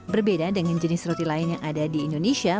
berbeda dengan jenis roti lain yang ada di indonesia